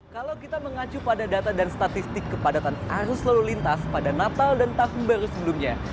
kalau kita mengacu pada data dan statistik kepadatan arus lalu lintas pada natal dan tahun baru sebelumnya